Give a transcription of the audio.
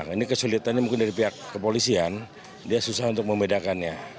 ini kesulitannya mungkin dari pihak kepolisian dia susah untuk membedakannya